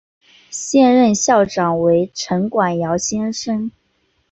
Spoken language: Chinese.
现任校长为陈广尧先生。